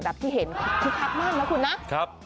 ไม่เห็นคุณครับมากนะคุณนะ